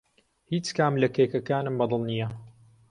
هیچ کام لە کێکەکانم بەدڵ نییە.